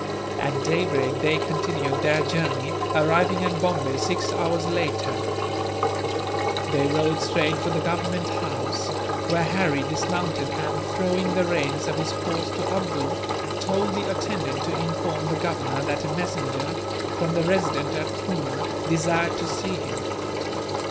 At daybreak they continued their journey, arriving at Bombay six hours later. They rode straight for the Government House, where Harry dismounted and, throwing the reins of his horse to Abdool, told the attendant to inform the Governor that a messenger, from the Resident at Poona, desired to see him.